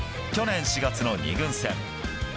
去年４月の２軍戦。